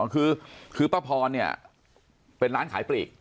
คือป้าพรเนี่ยเป็นร้านขายปลีก